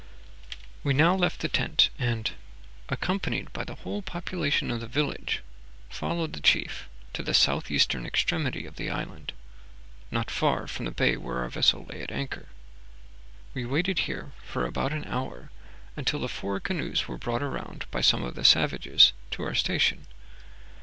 We now left the tent, and, accompanied by the whole population of the village, followed the chief to the southeastern extremity of the island, nor far from the bay where our vessel lay at anchor. We waited here for about an hour, until the four canoes were brought around by some of the savages to our station.